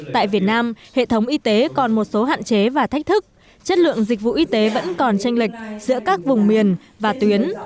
tại việt nam hệ thống y tế còn một số hạn chế và thách thức chất lượng dịch vụ y tế vẫn còn tranh lệch giữa các vùng miền và tuyến